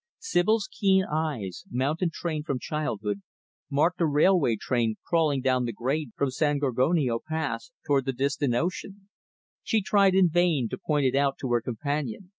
Sibyl's keen eyes mountain trained from childhood marked a railway train crawling down the grade from San Gorgonio Pass toward the distant ocean. She tried in vain to point it out to her companion.